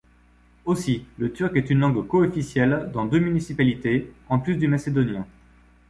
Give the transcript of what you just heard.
Aussi, le turc est une langue coofficielle dans deux municipalités, en plus du macédonien.